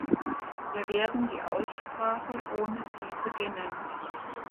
Wir werden die Aussprache ohne sie beginnen.